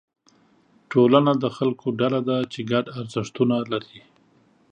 ټولنه د خلکو ډله ده چې ګډ ارزښتونه لري.